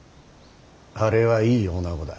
あれはいい女子だ。